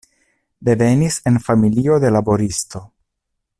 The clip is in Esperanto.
Devenis en familio de laboristo.